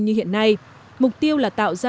như hiện nay mục tiêu là tạo ra